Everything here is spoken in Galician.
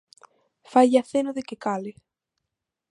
Faille aceno de que cale.